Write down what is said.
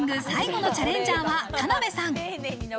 最後のチャレンジャーは田辺さん。